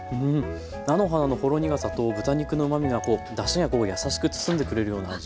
菜の花のほろ苦さと豚肉のうまみがだしがこう優しく包んでくれるような味。